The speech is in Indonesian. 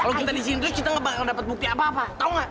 kalau kita disini terus kita gak bakal dapet bukti apa apa tau gak